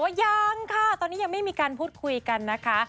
ยังค่ะตอนนี้ยังไม่มีการพูดคุยกันนะคะ